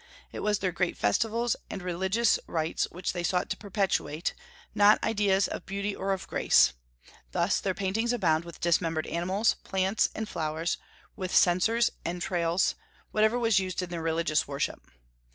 It was their great festivals and religious rites which they sought to perpetuate, not ideas of beauty or of grace. Thus their paintings abound with dismembered animals, plants, and flowers, with censers, entrails, whatever was used in their religious worship.